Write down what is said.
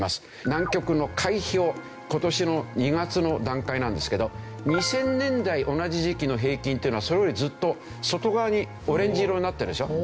南極の海氷今年の２月の段階なんですけど２０００年代同じ時期の平均っていうのはそれよりずっと外側にオレンジ色になってるでしょ。